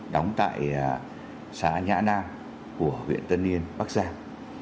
đóng tại xã nhã nam của huyện tân yên bắc giang